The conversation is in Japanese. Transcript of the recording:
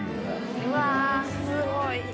うわすごい。